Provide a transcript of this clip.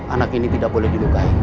anak ini tidak boleh dilukai